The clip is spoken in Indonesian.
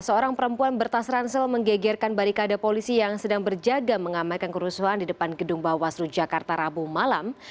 seorang perempuan bertas ransel menggegerkan barikade polisi yang sedang berjaga mengamalkan kerusuhan di depan gedung bawaslu jakarta rabu malam